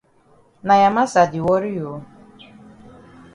Na ya massa di worry you?